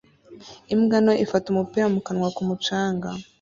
Imbwa nto ifata umupira mu kanwa ku mucanga